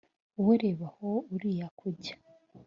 Wowe reba aho uri kujya